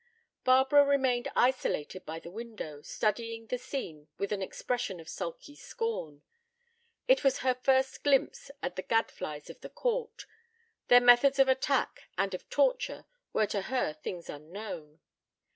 Barbara remained isolated by the window, studying the scene with an expression of sulky scorn. It was her first glimpse of the gadflies of the court; their methods of attack and of torture were to her things unknown.